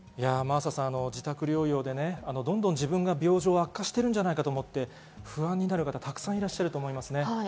自宅療養で自分が病状悪化しているんじゃないかと思って、不安になる方がたくさんいらっしゃると思いますね。